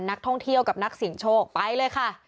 นักท่องเที่ยวกับนักเสียงโชคไปเลยค่ะ